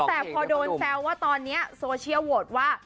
แต่พอโดนแซวว่าตอนนี้โซเชียลโหวตว่า